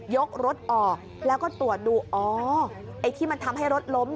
ยกรถออกแล้วก็ตรวจดูอ๋อไอ้ที่มันทำให้รถล้ม